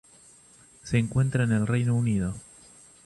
Se encuentra en el Reino Unido.